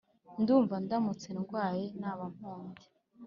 Ndumva ndamutse ndwaye naba mpobye